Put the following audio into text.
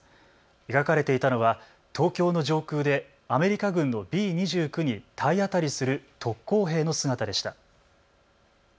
描かれていたのは東京の上空でアメリカ軍のＢ２９に体当たりする特攻兵の姿でした。